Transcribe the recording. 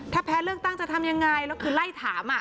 ถ้าแพ้เลือกตั้งจะทำยังไงแล้วคือไล่ถาม